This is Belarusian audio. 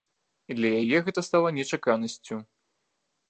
І для яе гэта стала нечаканасцю.